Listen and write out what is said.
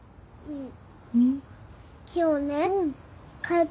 うん。